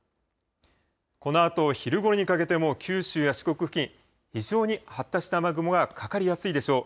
このあと昼ごろにかけても、九州や四国付近、非常に発達した雨雲がかかりやすいでしょう。